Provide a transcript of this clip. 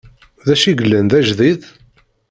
Dacu i yellan d ajdid?